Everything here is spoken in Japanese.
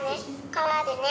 川でね